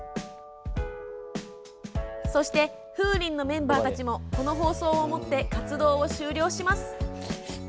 そしてＦｏｏｒｉｎのメンバーたちもこの放送をもって活動を終了します。